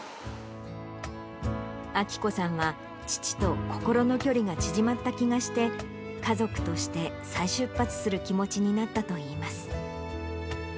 章子さんは、父と心の距離が縮まった気がして、家族として再出発する気持ちになったといいます。